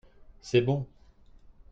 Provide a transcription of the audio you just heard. c'est bon.